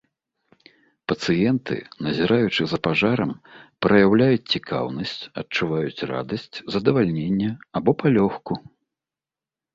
Пацыенты, назіраючы за пажарам, праяўляюць цікаўнасць, адчуваюць радасць, задавальненне або палёгку.